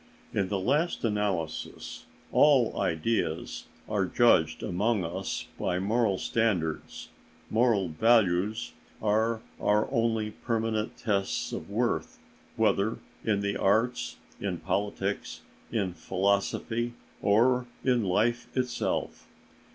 In the last analysis, all ideas are judged among us by moral standards; moral values are our only permanent tests of worth, whether in the arts, in politics, in philosophy or in life itself.